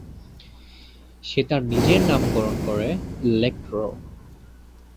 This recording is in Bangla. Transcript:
সে তার নিজের নামকরণ করে 'ইলেক্ট্রো'।